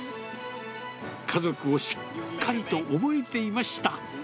家族をしっかりと覚えていました。